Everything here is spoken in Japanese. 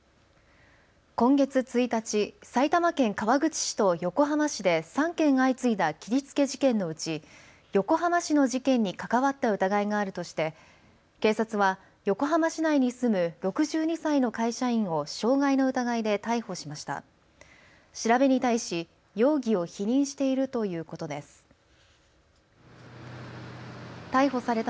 今月１日、埼玉県川口市と横浜市で３件相次いだ切りつけ事件のうち、横浜市の事件に関わった疑いがあるとして警察は横浜市内に住む６２歳の会社員を傷害の疑いで逮捕しました。